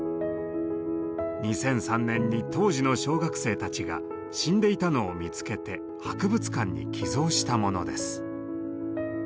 ２００３年に当時の小学生たちが死んでいたのを見つけて博物館に寄贈したものです。